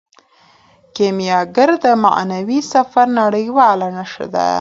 کیمیاګر د معنوي سفر نړیواله نښه ده.